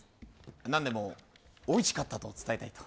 何でもおいしかったと伝えたいと。